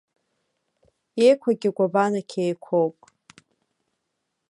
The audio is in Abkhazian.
Иеиқәагьы гәабанақь еиқәоуп.